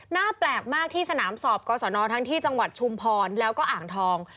แปลกมากที่สนามสอบกศนทั้งที่จังหวัดชุมพรแล้วก็อ่างทอง